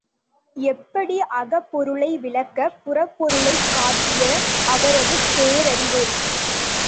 எப்படி அகப்பொருளை விளக்கப் புறப்பொருளைக் காட்டிய அவரது பேரறிவு?